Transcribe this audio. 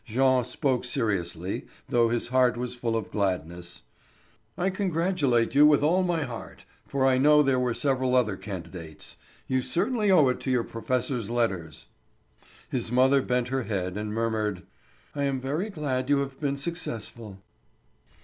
Jean spoke seriously, though his heart was full of gladness: "I congratulate you with all my heart, for I know there were several other candidates. You certainly owe it to your professors' letters." His mother bent her head and murmured: "I am very glad you have been successful."